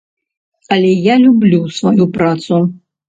Але я люблю сваю працу.